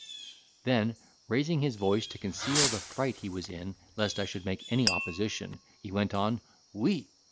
Then raising his voice to conceal the fright he was in lest I should make any opposition, he went on, "Oui!